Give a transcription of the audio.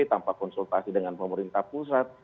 tanpa konsultasi dengan pemerintah pusat